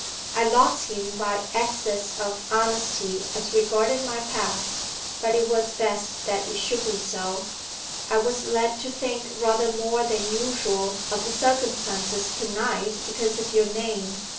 'I lost him by excess of honesty as regarded my past. But it was best that it should be so.... I was led to think rather more than usual of the circumstances to night because of your name.